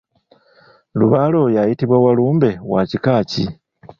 Lubaale oyo ayitibwa Walumbe wa kika ki?